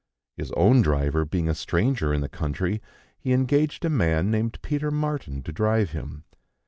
His own driver being a stranger in the country, he engaged a man named Peter Martin to drive him.